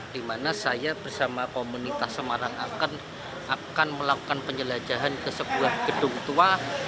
di mana saya bersama komunitas semarang akan melakukan penjelajahan ke sebuah gedung tua